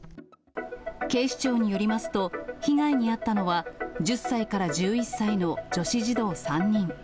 警視庁によりますと、被害に遭ったのは１０歳から１１歳の女子児童３人。